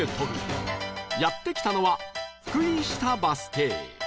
やって来たのは福井下バス停